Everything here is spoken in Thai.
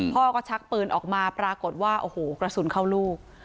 พ่อก็ชักปืนออกมาปรากฏว่าโอ้โหกระสุนเข้าลูก